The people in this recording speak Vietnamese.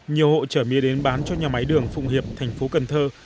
nhiều hộ chở mía đến bán cho nhà máy đường phụng hiệp thành phố cần thơ